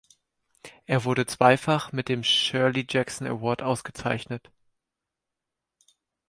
Er wurde zweifach mit dem Shirley Jackson Award ausgezeichnet.